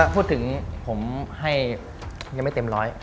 พูดถึงผมให้ยังไม่เต็มร้อย